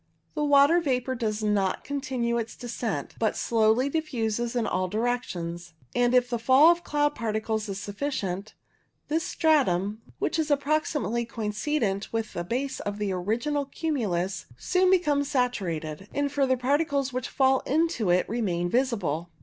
The water vapour does not con tinue its descent, but slowly diffuses in all directions, and if the fall of cloud particles is sufficient, this stratum, which is approximately coincident with the base of the original cumulus, soon becomes saturated, and further particles which fall into it remain visible.